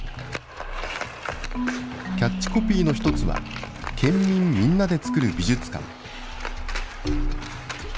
キャッチコピーの一つは、県民みんなでつくる美術館。